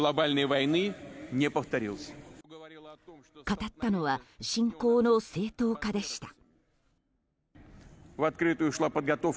語ったのは侵攻の正当化でした。